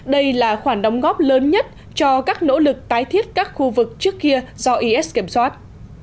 đây là khoản đóng góp lớn nhất cho các nỗ lực tái thiết các khu vực trước kia do is kiểm soát